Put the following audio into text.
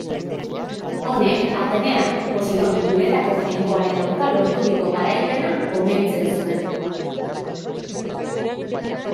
Honek, Ateneak Poseidon uretako jainkoaren aurka lorturiko garaipena omentzen zuen.